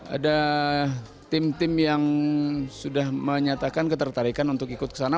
ada tim tim yang sudah menyatakan ketertarikan untuk ikut ke sana